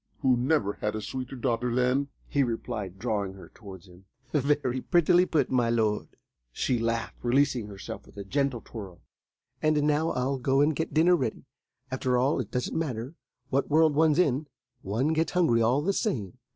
"Who never had a sweeter daughter than !" he replied, drawing her towards him. "Very prettily put, my Lord," she laughed, releasing herself with a gentle twirl; "and now I'll go and get dinner ready. After all, it doesn't matter what world one's in, one gets hungry all the same."